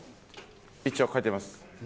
一応書いてます。